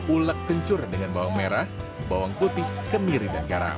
ulak kencur dengan bawang merah bawang putih kemiri dan garam